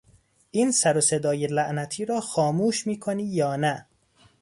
این سر و صدای لعنتی را خاموش میکنی یا نه!